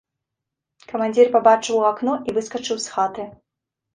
Камандзір пабачыў у акно і выскачыў з хаты.